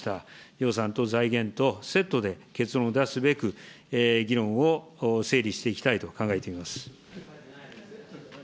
予算と財源とセットで結論を出すべく、議論を整理していきたいと考えております。